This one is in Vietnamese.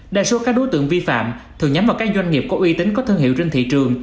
đa số các đối tượng vi phạm thường nhắm vào các doanh nghiệp có uy tín có thương hiệu trên thị trường